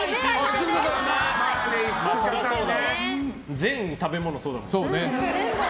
全食べ物そうだもん。